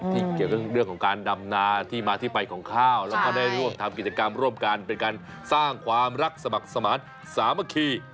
เกี่ยวกับเรื่องของการดำนาที่มาที่ไปของข้าวแล้วก็ได้ร่วมทำกิจกรรมร่วมกันเป็นการสร้างความรักสมัครสมาธิสามัคคี